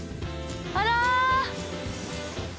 あら！